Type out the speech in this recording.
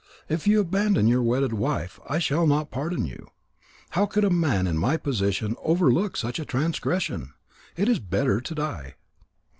If you abandon your wedded wife, I shall not pardon you. How could a man in my position overlook such a transgression? It is better to die."